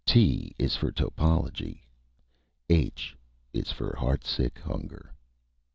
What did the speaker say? _ T is for Topology. _H is for heartsick hunger.